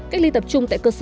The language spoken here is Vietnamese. cách ly tập trung tại cơ sở